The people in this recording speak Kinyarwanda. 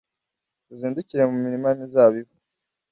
tuzindukire mu mirima y’imizabibu